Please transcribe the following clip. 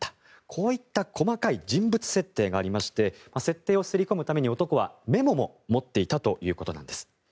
こういった細かい人物設定がありまして設定をすり込むために男はメモも持っていたということなんです。